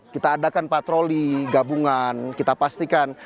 kita adakan patroli gabungan kita pastikan